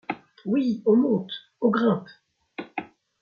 Oui ! on monte, on grimpe.